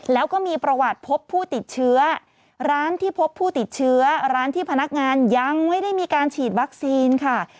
แล้วก็มีประวัติพบผู้ติดเชื้อร้านที่พบผู้ติดเชื้อร้านที่พนักงานยังไม่ได้มีการฉีดวัคซีนค่ะ